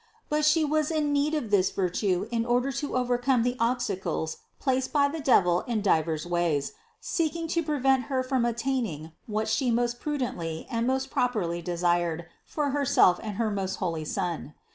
But She was in need of this virtue in order to overcome the ob stacles placed by the devil in diverse ways, seeking to pre vent Her from attaining what She most prudently and most properly desired for Herself and her most holy Son.